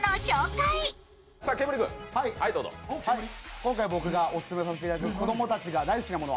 今回僕がオススメさせていただいた、子どもたちが大好きなもの